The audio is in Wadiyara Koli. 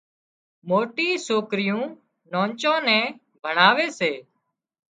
موٽِي سوڪريون نانچان نين ڀڻاوي سي